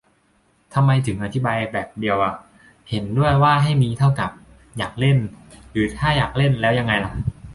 ทำไมถึงอธิบายได้แบบเดียวล่ะ เห็นด้วยว่าให้มี เท่ากับ อยากเล่น ? หรือ ถ้าอยากเล่น แล้วยังไงล่ะ ?